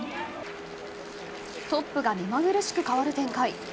トップが目まぐるしく変わる展開